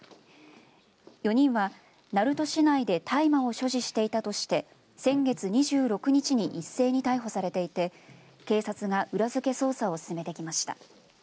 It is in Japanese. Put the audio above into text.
４人は、鳴門市内で大麻を所持していたとして先月２６日に一斉に逮捕されていて警察が裏付け捜査を進めてきました。